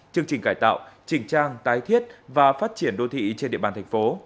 chương trình cải tạo chỉnh trang tái thiết và phát triển đô thị trên địa bàn thành phố